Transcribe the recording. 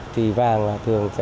thì vàng là thường sẽ